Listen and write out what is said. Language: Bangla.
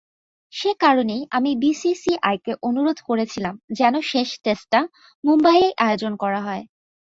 সেকারণেই আমি বিসিসিআইকে অনুরোধ করেছিলাম যেন শেষ টেস্টটা মুম্বাইয়েই আয়োজন করা হয়।